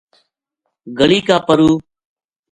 گلی کا پرُو